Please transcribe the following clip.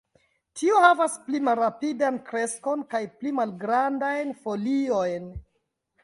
Tiu havas pli malrapidan kreskon kaj pli malgrandajn foliojn.